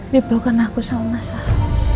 dipelukan aku sama sama